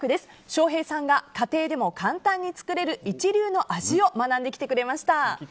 翔平さんが家庭でも簡単に作れる一流の味を学んできてくれました。